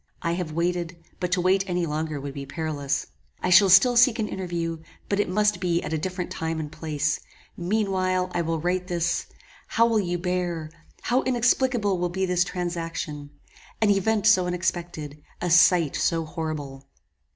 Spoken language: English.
I have waited, but to wait any longer would be perilous. I shall still seek an interview, but it must be at a different time and place: meanwhile, I will write this How will you bear How inexplicable will be this transaction! An event so unexpected a sight so horrible!"